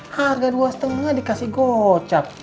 harga dua lima dikasih gocap